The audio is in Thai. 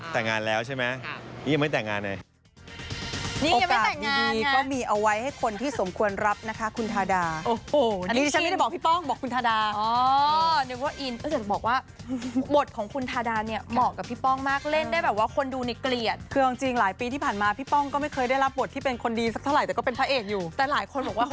แต่งงานแล้วใช่ไหมนี่ยังไม่แต่งงานเลย